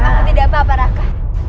aku tidak apa apa raka